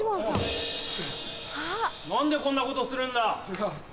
何でこんなことするんだ？